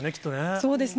そうですね。